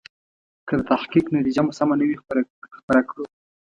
که د تحقیق نتیجه مو سمه نه وي خپره کړو.